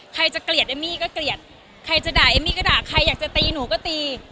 ใครจะเกลียดเอมมี่ก็เกลียดใครจะด่าเอมมี่ก็ด่าใครอยากจะตีหนูก็ตี